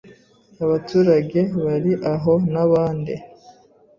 abaturage bari aho nabande